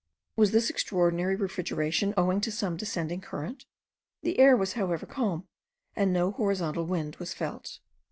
Was this extraordinary refrigeration owing to some descending current? The air was however calm, and no horizontal wind was felt.